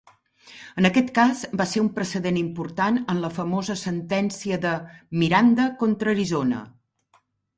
Aquest cas va ser un precedent important en la famosa sentència de "Miranda contra Arizona".